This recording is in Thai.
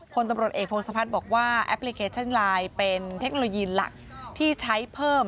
คนตำรวจเอกพงศพัฒน์บอกว่าแอปพลิเคชันไลน์เป็นเทคโนโลยีหลักที่ใช้เพิ่ม